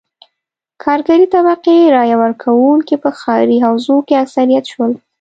کارګرې طبقې رایه ورکوونکي په ښاري حوزو کې اکثریت شول.